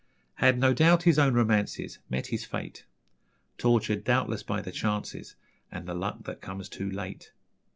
Had, no doubt, his own romances Met his fate; Tortured, doubtless, by the chances And the luck that comes too late.